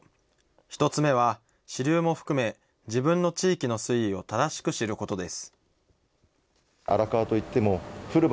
１つ目は支流も含め自分の地域の水位を正しく知ることです。